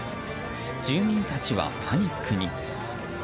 住民たちはパニックに。